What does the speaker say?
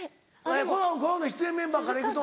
この出演メンバーから行くと。